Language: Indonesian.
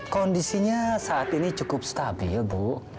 kondisinya saat ini cukup stabil bu